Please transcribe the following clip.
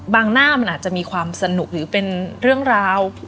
หน้ามันอาจจะมีความสนุกหรือเป็นเรื่องราว